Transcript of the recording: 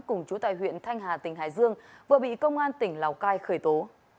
cùng chú tại huyện thanh hà tỉnh hải dương vừa bị công an tỉnh lào cai khởi tố